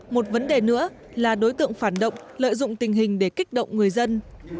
một vấn đề nữa là đối tượng phản động lợi dụng tình hình để kích động người dân